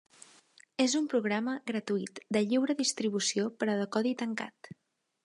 És un programa gratuït, de lliure distribució però de codi tancat.